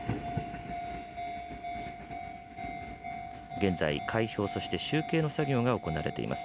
現在、開票そして集計の作業が行われています。